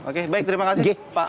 oke baik terima kasih pak